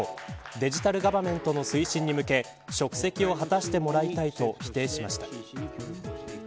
デジタルガバメントの推進に向け職責を果たしてもらいたいと否定しました。